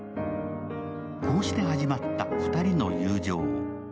こうして始まった２人の友情。